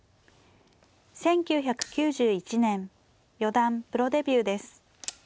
１９９１年四段プロデビューです。